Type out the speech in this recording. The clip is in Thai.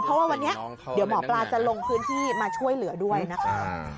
เพราะว่าวันนี้เดี๋ยวหมอปลาจะลงพื้นที่มาช่วยเหลือด้วยนะคะ